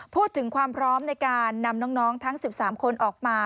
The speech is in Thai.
พูดถึงความพร้อมในการนำน้องทั้ง๑๓คนออกมา